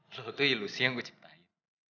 lo tuh ilusi yang gue ciptain